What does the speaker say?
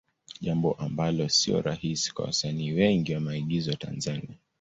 Jambo ambalo sio rahisi kwa wasanii wengi wa maigizo wa Tanzania.